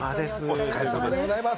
お疲れさまでございます。